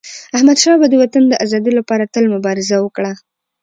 احمدشاه بابا د وطن د ازادی لپاره تل مبارزه وکړه.